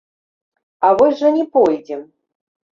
А вось жа не пойдзем!